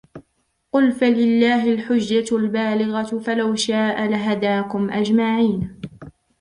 قُلْ فَلِلَّهِ الْحُجَّةُ الْبَالِغَةُ فَلَوْ شَاءَ لَهَدَاكُمْ أَجْمَعِينَ